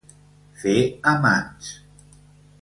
Fer a mans.